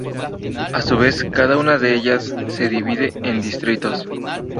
A su vez, cada una de ellas, se divide en distritos.